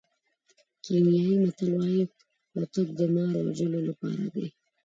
کینیايي متل وایي کوتک د مار وژلو لپاره دی.